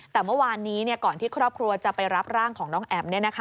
แต่เมื่อวานนี้ก่อนที่ครอบครัวจะไปรับร่างของน้องแอ๋ม